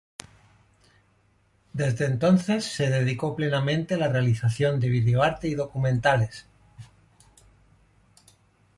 Desde entonces se dedicó plenamente a la realización de video arte y documentales.